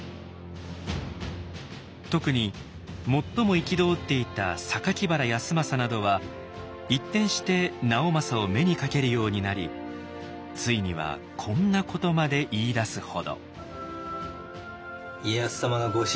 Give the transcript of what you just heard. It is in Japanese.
特に最も憤っていた原康政などは一転して直政を目にかけるようになりついにはこんなことまで言いだすほど。